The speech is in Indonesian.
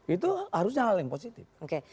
itu harusnya hal yang positif